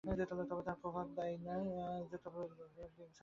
তবে তাহার প্রভাব থায়ী নয়, একবার দেখা দিয়াই সে যেন গা ঢাকা দিয়াছে।